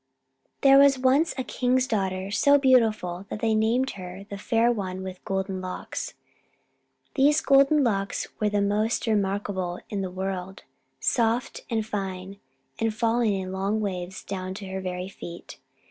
There was once a king's daughter so beautiful that they named her the Fair One with Golden Locks. These golden locks were the most remarkable in the world, soft and fine, and falling in long waves down to her very feet.